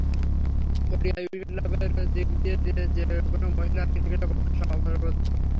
ODI wicket লাভের দিক দিয়ে যে-কোন মহিলা ক্রিকেটারের পক্ষে সর্বোচ্চ।